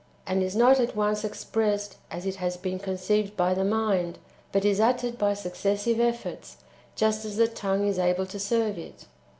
and is not at once expressed as it has been conceived by the mind, but is uttered by successive efforts, just as the tongue is able to serve it.